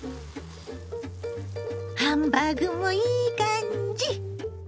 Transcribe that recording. ハンバーグもいい感じ！